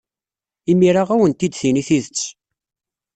Imir-a ad awent-d-tini tidet.